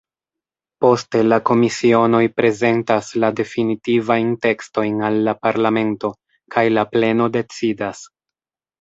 Poste la komisionoj prezentas la definitivajn tekstojn al la parlamento, kaj la pleno decidas.